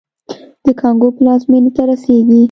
د کانګو پلازمېنې ته رسېږي.